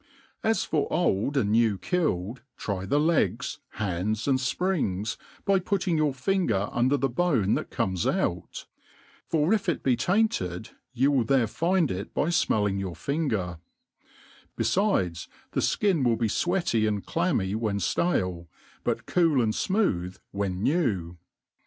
At I 33tt THE ART OF COOKERY; As for oU and new killed, try the legs, bands, and fprings, by puttins; your finser under the bone that comes out *, for if it be tainted, you will there find it by fipelliog your finger ; be lides, the (laiq wUl be fweaty and clanuny when ftale, but cool and fmooth when new.